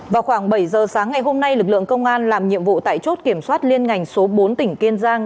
vào khoảng bảy giờ sáng ngày hôm nay lực lượng công an làm nhiệm vụ tại chốt kiểm soát liên ngành số bốn tỉnh kiên giang